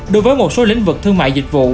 đối với một số lĩnh vực thương mại dịch vụ